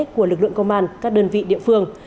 của lực lượng công an các đơn vị địa phương